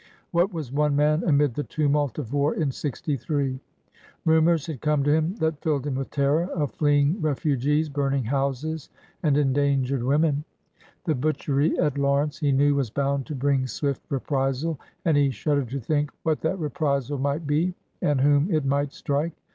What was one man amid the tumult of war in '63 ? Rumors had come to him that filled him with terror — of fleeing refugees, burning houses, and endangered women. The butchery at Lawrence he knew was bound to bring swift reprisal, and he shuddered to think what that reprisal might be, and whom it might strike.